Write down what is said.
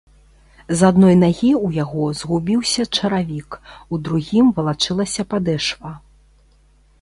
З адной нагі ў яго згубіўся чаравік, у другім валачылася падэшва.